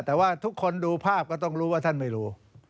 แต่ว่าทุกคนดูภาพก็ต้องรู้ว่าท่านไม่รู้